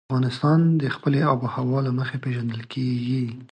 افغانستان د خپلې آب وهوا له مخې پېژندل کېږي.